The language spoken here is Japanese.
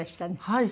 はい。